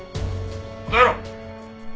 答えろ！